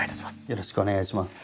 よろしくお願いします。